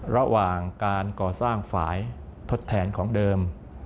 ระหว่างการก่อสร้างฝ่ายทดแทนของเดิม